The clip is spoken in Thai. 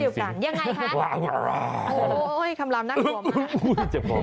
ก็เลยมีโอกาสว่าอาจจะได้ลาบมาแบบพลุกด้วยสำหรับราศีสิง